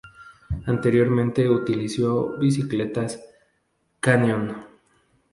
Anteriormente utilizó bicicletas Canyon.